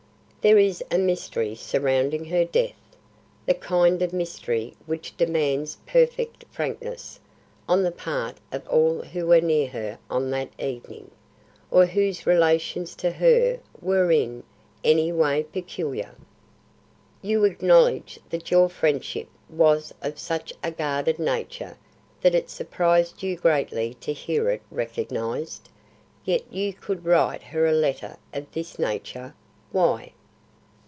There is mystery surrounding her death; the kind of mystery which demands perfect frankness on the part of all who were near her on that evening, or whose relations to her were in any way peculiar. You acknowledge that your friendship was of such a guarded nature that it surprised you greatly to hear it recognised. Yet you could write her a letter of this nature. Why?"